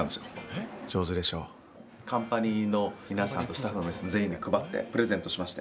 カンパニーの皆さんとスタッフの皆さん全員に配ってプレゼントしまして。